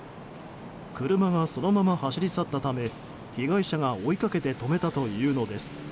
車がそのまま走り去ったため被害者が追いかけて止めたというのです。